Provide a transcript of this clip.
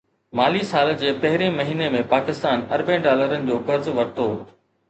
مالي سال جي پهرين مهيني ۾ پاڪستان اربين ڊالرن جو قرض ورتو